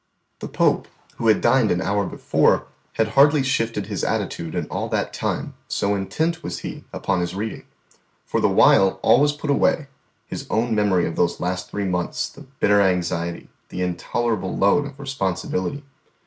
The Pope, who had dined an hour before, had hardly shifted His attitude in all that time, so intent was He upon His reading. For the while, all was put away, His own memory of those last three months, the bitter anxiety, the intolerable load of responsibility.